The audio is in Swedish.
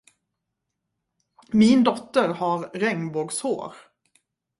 Min dotter har regnbågshår.